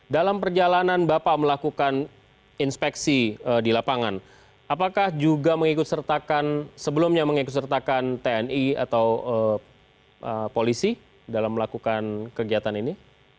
dalam perjalanan bapak melakukan inspeksi di lapangan apakah juga mengikut sertakan sebelumnya mengikut sertakan tni atau polisi dalam melakukan kegiatan ini